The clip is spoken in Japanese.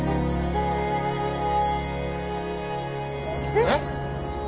えっ？